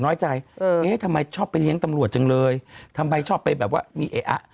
น้อยใจเออเอ๊ะทำไมชอบไปเลี้ยงตำรวจจังเลยทำไมชอบไปแบบว่ามีเอ๊ะอ่ะ